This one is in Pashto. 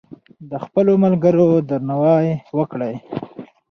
د خپلو ملګرو درناوی وکړئ.